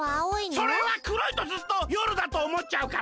それはくろいとずっとよるだとおもっちゃうから。